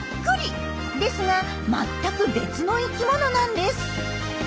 ですが全く別の生きものなんです。